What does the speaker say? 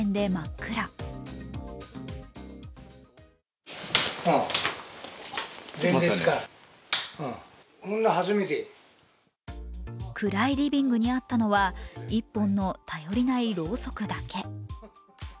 暗いリビングにあったのは１本の頼りないろうそくだけ。